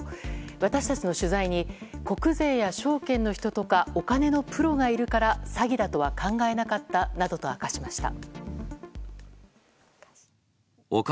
私たちの取材に国税や証券の人とかお金のプロがいるから詐欺だとは考えなかったなどと明かしました。